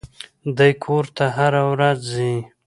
دى کور ته هره ورځ ځي.